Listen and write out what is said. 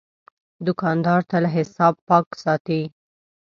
دوکاندار تل حساب پاک ساتي.